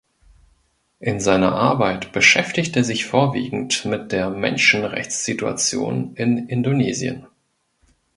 In seiner Arbeit beschäftigt er sich vorwiegend mit der Menschenrechtssituation in Indonesien.